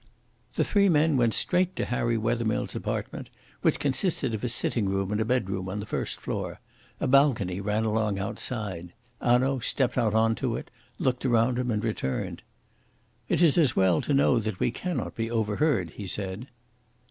The three men went straight to Harry Wethermill's apartment, which consisted of a sitting room and a bedroom on the first floor. A balcony ran along outside. Hanaud stepped out on to it, looked about him, and returned. "It is as well to know that we cannot be overheard," he said.